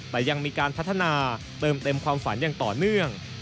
แต่ยังมีการพัฒนาเติมเต็มความฝันอย่างต่อเนื่อง